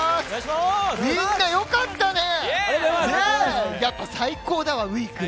みんなよかったね。